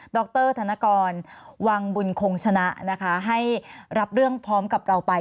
รธนกรวังบุญคงชนะนะคะให้รับเรื่องพร้อมกับเราไป